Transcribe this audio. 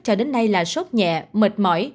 cho đến nay là sốt nhẹ mệt mỏi